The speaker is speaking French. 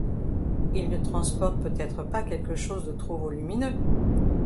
Ils ne transportent peut-être pas quelque chose de trop volumineux.